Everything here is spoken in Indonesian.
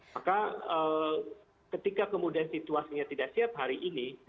maka ketika kemudian situasinya tidak siap hari ini